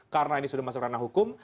karena ini sudah masuk ranah hukum